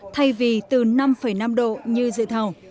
thay vì từ năm năm độ như dự thảo